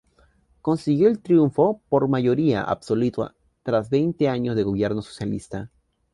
Consiguió el triunfo por mayoría absoluta tras veinte años de gobierno socialista.